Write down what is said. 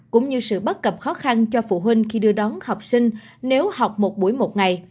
cũng như sự bất cập khó khăn cho phụ huynh khi đưa đón học sinh nếu học một buổi một ngày